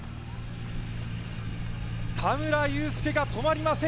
田村友佑が止まりません。